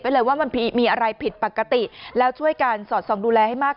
เลยว่ามันมีอะไรผิดปกติแล้วช่วยกันสอดส่องดูแลให้มาก